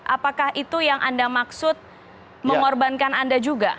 apakah itu yang anda maksud mengorbankan anda juga